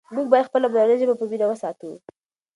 موږ باید خپله مورنۍ ژبه په مینه وساتو.